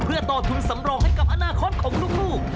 เพื่อต่อทุนสำรองให้กับอนาคตของลูก